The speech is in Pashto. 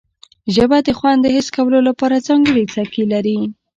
ژبه د خوند د حس کولو لپاره ځانګړي څکي لري